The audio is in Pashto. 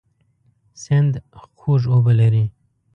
سیند خوږ اوبه لري.